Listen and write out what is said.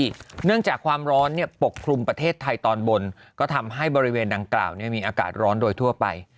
เนื่องจากความร้อนปกคลุมประเทศไทยตอนบนก็ทำให้บริเวณดังกล่าวมีอากาศร้อนโดยทั่วไป